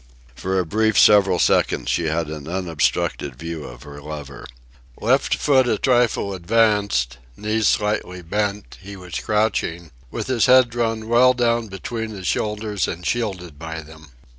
For a brief several seconds she had an unobstructed view of her lover. Left foot a trifle advanced, knees slightly bent, he was crouching, with his head drawn well down between his shoulders and shielded by them.